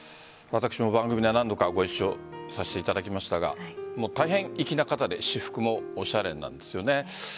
私は番組で何度かご一緒させていただきましたが大変、粋な方で私服もおしゃれなんですよね。